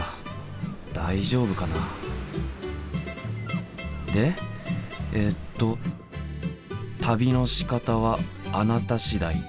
大丈夫かな？でえっと「旅のしかたはあなた次第。